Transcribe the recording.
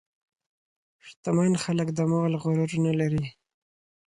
شتمن خلک د مال غرور نه لري.